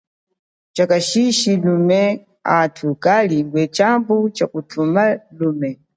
Chakashishi lume, athu kalingwe tshambu cha kuma.